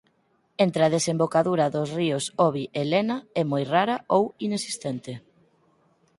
Entre a desembocadura dos ríos Obi e Lena é moi rara o ou inexistente.